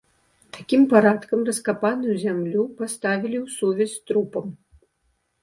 Такім парадкам раскапаную зямлю паставілі ў сувязь з трупам.